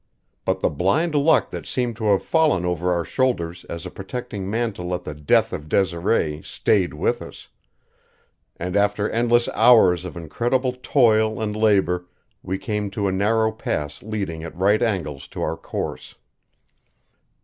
But the blind luck that seemed to have fallen over our shoulders as a protecting mantle at the death of Desiree stayed with us; and after endless hours of incredible toil and labor, we came to a narrow pass leading at right angles to our course.